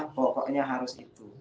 pokoknya harus itu